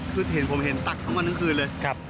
คือเห็นผมเห็นตักทั้งวันทั้งคืนเลย